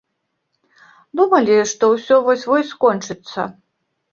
Думалі, што ўсё вось-вось скончыцца.